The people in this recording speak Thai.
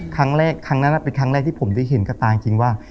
ครั้งนั้นเป็นครั้งแรกที่ผมได้เห็นกับตาจริงว่า